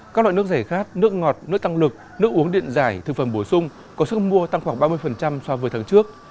các loại nước giải khát nước ngọt nước tăng lực nước uống điện giải thực phẩm bổ sung có sức mua tăng khoảng ba mươi so với tháng trước